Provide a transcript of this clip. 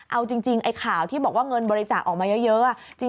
เอาจริงไอ้ข่าวที่บอกว่าเงินบริจาคออกมาเยอะ